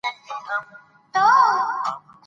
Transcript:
اداري اصلاحات باید د اړتیا او واقعیت پر بنسټ ترسره شي